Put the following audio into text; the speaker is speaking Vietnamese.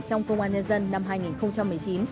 trong công an nhân dân năm hai nghìn một mươi chín